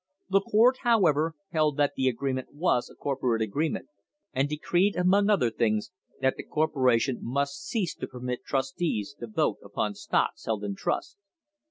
The court, however, held that the agreement was a corporate agreement, and decreed, among other things, that the corporation must cease to permit trustees to vote upon stocks held in trust.